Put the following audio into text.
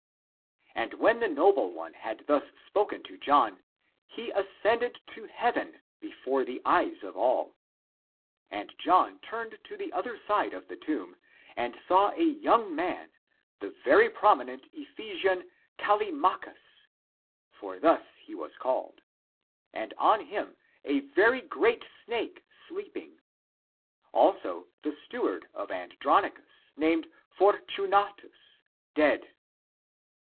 And when the noble one had thus spoken to John he ascended to heaven before the eyes of all. And John turned to the other side of the tomb and saw a young man, the very promi nent Ephesian Callimachus — for thus he was called — and on him a very great snake sleeping, also the steward of Andronicus, named Fortunatus dead.